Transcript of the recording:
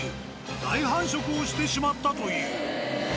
大繁殖をしてしまったという。